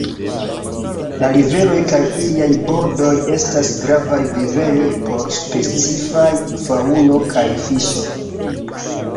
La riveroj kaj iliaj bordoj estas gravaj vivejoj por specifaj faŭno kaj fiŝoj.